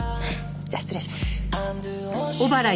じゃあ失礼します。